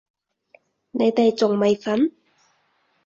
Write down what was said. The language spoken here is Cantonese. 你哋仲未瞓？